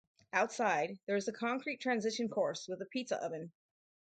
Outside, there is a concrete transition course with a pizza oven.